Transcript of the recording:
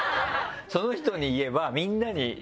その人に言えばみんなに。